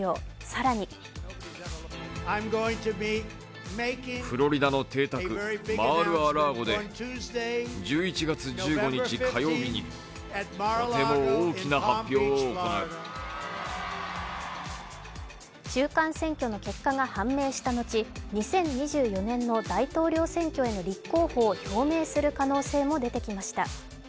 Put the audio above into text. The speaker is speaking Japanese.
更に中間選挙の結果が判明した後、２０２４年の大統領選挙への立候補を表明する可能性も出てきました。